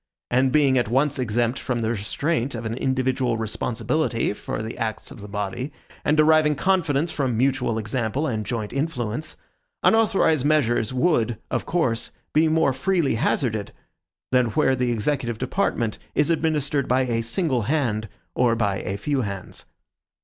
And being at once exempt from the restraint of an individual responsibility for the acts of the body, and deriving confidence from mutual example and joint influence, unauthorized measures would, of course, be more freely hazarded, than where the executive department is administered by a single hand, or by a few hands.